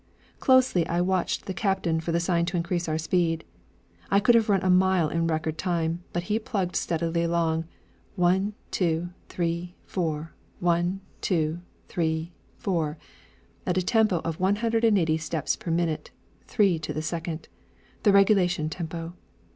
Closely I watched the captain for the sign to increase our speed. I could have run a mile in record time, but he plugged steadily along, one, two, three, four, one, two, three, four, at a tempo of a hundred and eighty steps per minute, three to the second, the regulation tempo.